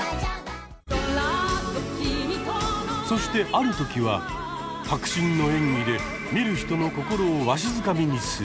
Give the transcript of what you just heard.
そしてある時は迫真の演技で見る人の心をわしづかみにする。